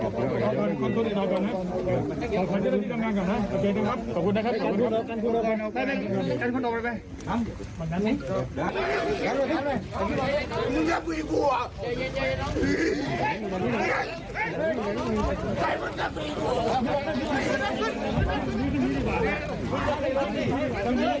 ขอบคุณนะครับ